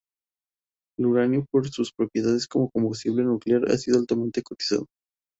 El uranio por sus propiedades como combustible nuclear ha sido altamente cotizado.